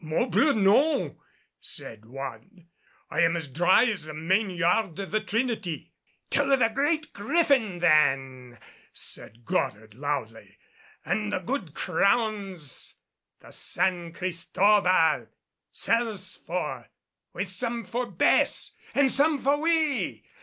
"Morbleu, non," said one, "I am as dry as the main yard of the Trinity." "To the Great Griffin, then," said Goddard loudly, "an' the good crowns the San Cristobal sells for, with some for Bess and some for we!